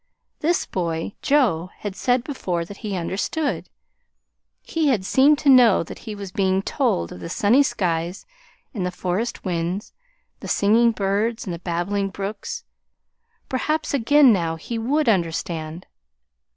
This boy, Joe, had said before that he understood. He had seemed to know that he was being told of the sunny skies and the forest winds, the singing birds and the babbling brooks. Perhaps again now he would understand.